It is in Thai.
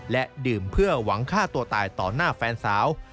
และดื่มเพื่อหวังฆ่าตัวตายต่อหน้าแฟนสาว